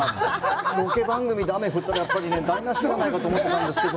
ロケ番組で雨降ったら、台なしじゃないかと思ってたんですけど。